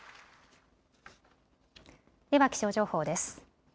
では気象情報です。